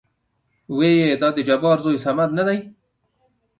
ويېېې دا د جبار زوى صمد نه دى ؟